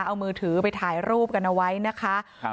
เอามือถือไปถ่ายรูปกันเอาไว้นะคะ